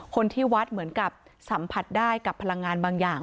คนที่วัดเหมือนกับสัมผัสได้กับพลังงานบางอย่าง